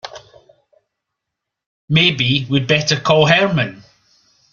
Maybe we'd better call Herman.